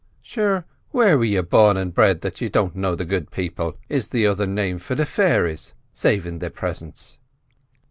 "Sure, where were you born and bred that you don't know the Good People is the other name for the fairies—savin' their presence?"